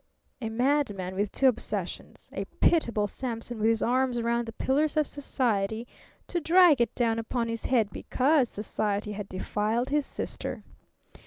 A madman, with two obsessions. A pitiable Samson with his arms round the pillars of society to drag it down upon his head because society had defiled his sister!